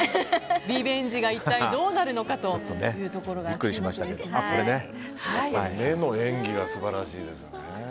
リベンジが一体どうなるのかというところが目の演技が素晴らしいですね。